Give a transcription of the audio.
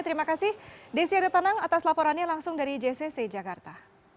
terima kasih desy adetanang atas laporannya langsung dari jcc jakarta